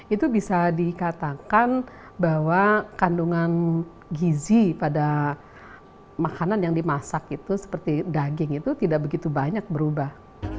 itu bisa dikatakan bahwa kandungan gizi pada makanan yang dimasak itu seperti daging itu tidak begitu banyak berubah